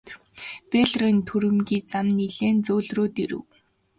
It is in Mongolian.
Бэйлорын түрэмгий зан нилээн зөөлрөөд ирэв.